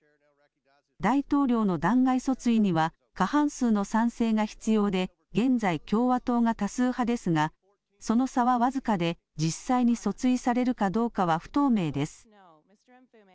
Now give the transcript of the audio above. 大統領の弾劾訴追には過半数の賛成が必要で現在、共和党が多数派ですがその差は僅かで実際に訴追されるかどうかは不透明です。